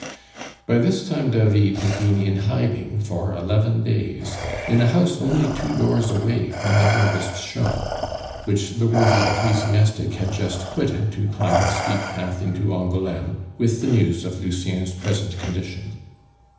By this time David had been in hiding for eleven days in a house only two doors away from the druggist's shop, which the worthy ecclesiastic had just quitted to climb the steep path into Angouleme with the news of Lucien's present condition.